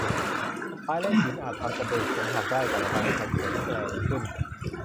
ไม้และหินอาจทำกระดูกฉันหักได้ แต่มันทำให้ฉันแข็งแกร่งขึ้น